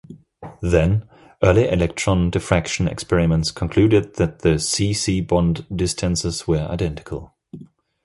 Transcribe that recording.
Then, early electron diffraction experiments concluded that the C-C bond distances were identical.